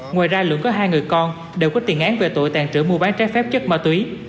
ngoài ra lượng có hai người con đều có tiền án về tội tàn trữ mua bán trái phép chất ma túy